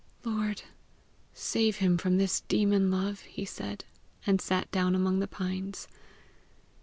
"Lord, save him from this demon love," he said, and sat down among the pines.